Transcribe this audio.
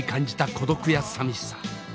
孤独やさみしさ。